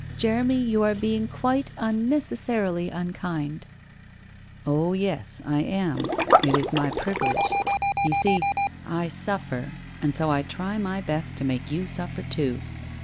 ' Jeremy, you are being quite unnecessarily unkind !'' Oh, yes, I am. It is my privilege. You see, I suffer, and so I try my best to make you suffer, too.